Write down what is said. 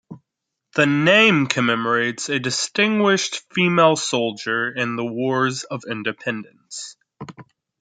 The name commemorates a distinguished female soldier in the wars of independence.